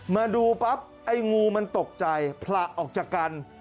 มาดูปั๊บไอ้งูมันตกใจผละออกจากกัน